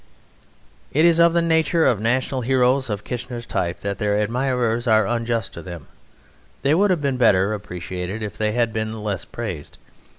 It is of the nature of national heroes of Kitchener's type that their admirers are unjust to them. They would have been better appreciated if they had been less praised.